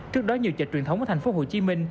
trước đó nhiều chợ truyền thống ở tp hcm